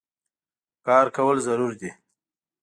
کار کول ضرور دي